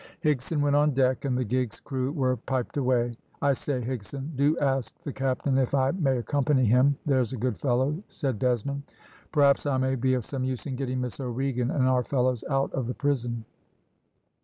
Higson went on deck, and the gig's crew were piped away. "I say, Higson, do ask the captain if I may accompany him, there's a good fellow!" said Desmond. "Perhaps I may be of some use in getting Miss O'Regan and our fellows out of the prison."